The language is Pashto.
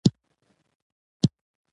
انا د زړه ژور احساس لري